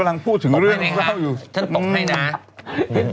อย่าเพิ่งรีบไปไหนนะ